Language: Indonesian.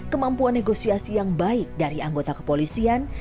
kemampuan negosiasi yang baik dari anggota kepolisian